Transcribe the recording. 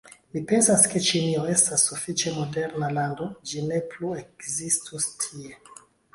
Mi pensas ke Ĉinio estas sufiĉe moderna lando, ĝi ne plu ekzistus tie.